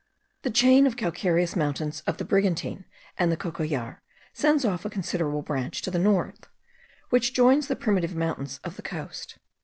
The chain of calcareous mountains of the Brigantine and the Cocollar sends off a considerable branch to the north, which joins the primitive mountains of the coast.